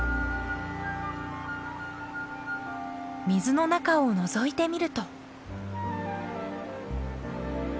水の中をのぞいてみると。